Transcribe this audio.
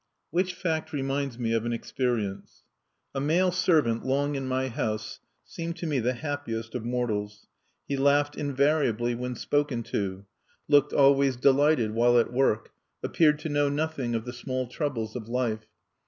Which fact reminds me of an experience. A male servant long in my house seemed to me the happiest of mortals. He laughed invariably when spoken to, looked always delighted while at work, appeared to know nothing of the small troubles of life.